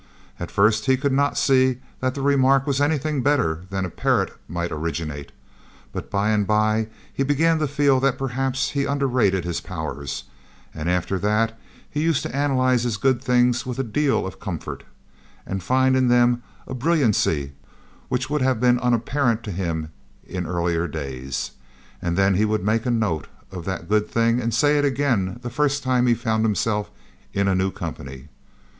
At first he could not see that the remark was anything better than a parrot might originate; but by and by he began to feel that perhaps he underrated his powers; and after that he used to analyze his good things with a deal of comfort, and find in them a brilliancy which would have been unapparent to him in earlier days and then he would make a note of that good thing and say it again the first time he found himself in a new company.